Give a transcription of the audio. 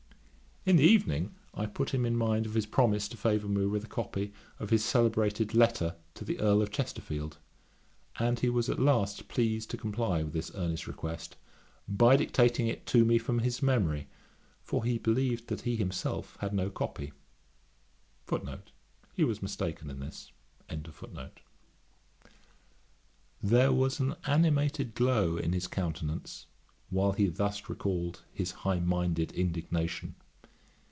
In the evening I put him in mind of his promise to favour me with a copy of his celebrated Letter to the Earl of Chesterfield, and he was at last pleased to comply with this earnest request, by dictating it to me from his memory; for he believed that he himself had no copy. There was an animated glow in his countenance while he thus recalled his high minded indignation.